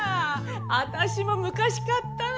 私も昔買ったのよ。